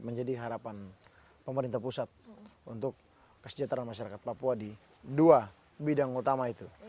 menjadi harapan pemerintah pusat untuk kesejahteraan masyarakat papua di dua bidang utama itu